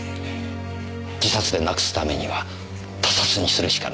自殺でなくすためには他殺にするしかない。